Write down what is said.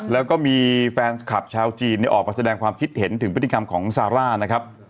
แล้วก็มีแฟนคลับชาวจีนออกมาแสดงความคิดเห็นถึงพฤติกรรมของซาร่านะครับ